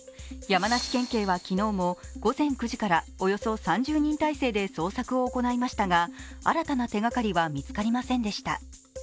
山梨県警は昨日も午前９時からおよそ３０人態勢で捜索を行いましたが、新たな手がかりは見つかりませんでした。